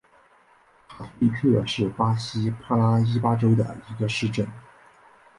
卡图里特是巴西帕拉伊巴州的一个市镇。